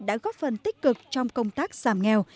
đã góp phần tích cực trong công tác giảm nghèo